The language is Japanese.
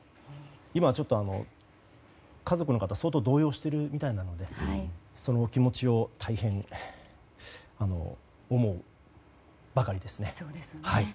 今ちょっと、家族の方相当動揺しているみたいなのでそのお気持ちを大変思うばかりですね。